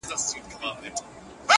• هر شوقي یې د رنګونو خریدار وي -